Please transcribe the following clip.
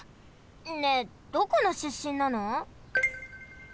ねえどこのしゅっしんなの？